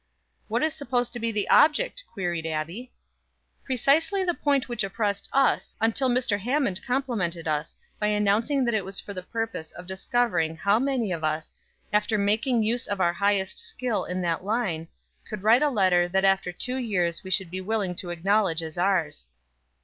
"What is supposed to be the object?" queried Abbie. "Precisely the point which oppressed us, until Mr. Hammond complimented us by announcing that it was for the purpose of discovering how many of us, after making use of our highest skill in that line, could write a letter that after two years we should be willing to acknowledge as ours."